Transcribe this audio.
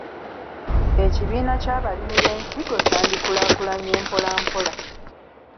Ekibiina ky’abalimi b’ensigo kyandikulaakulanye mpolampola.